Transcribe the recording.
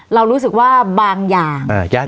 เรารู้สึกว่าบางอย่าง